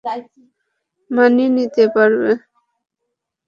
মানিয়ে নিতে পারবে।